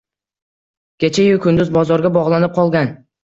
Kecha-yu kunduz bozorga bog’lanib qolgan.